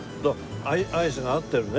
アイスが合ってるね。